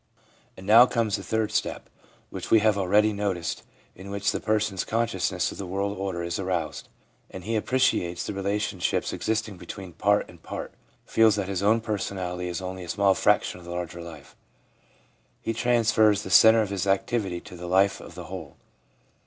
And now comes the third step, which we have already noticed, in which the person's consciousness of the world order is aroused, and he appreciates the relationships existing between part and part — feels that his own personality is only a small fraction of the larger life. He transfers the centre of his activity to the life of the whole.